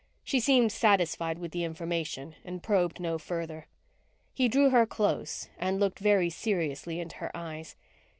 She seemed satisfied with the information and probed no farther. He drew her close and looked very seriously into her eyes.